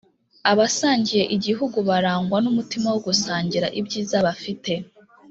Abasangiye igihugu barangwa n'umutima wo gusangira ibyiza bafite